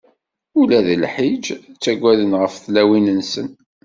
Ula deg lḥiǧ ttagaden ɣef tlawin-nsen!